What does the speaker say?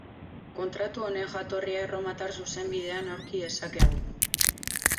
Kontratu honen jatorria Erromatar Zuzenbidean aurki dezakegu.